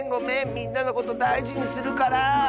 みんなのことだいじにするから！